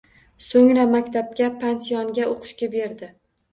Soʻngra maktabga – pansionga oʻqishga berdi.